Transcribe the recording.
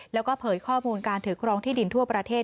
แล้วก็เผยข้อมูลการถือครองที่ดินทั่วประเทศ